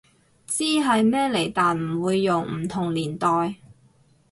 知係咩嚟但唔會用，唔同年代